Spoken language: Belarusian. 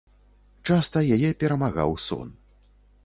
Часта яе перамагаў сон.